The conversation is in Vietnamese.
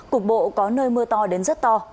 cục bộ có nơi mưa to đến rất to